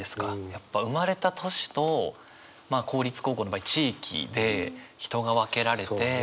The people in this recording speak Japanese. やっぱ生まれた年と公立高校の場合地域で人が分けられて。